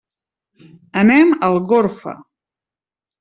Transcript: Anem a Algorfa.